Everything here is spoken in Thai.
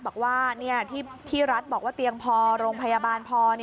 บอกว่าที่รัฐบอกว่าเตียงพอโรงพยาบาลพอ